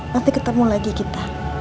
nanti ketemu lagi kita